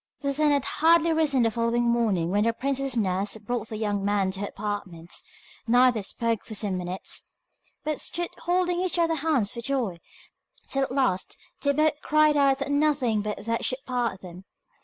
The sun had hardly risen the following morning when the princess's nurse brought the young man to her apartments. Neither spoke for some minutes, but stood holding each other's hands for joy, till at last they both cried out that nothing but death should part them.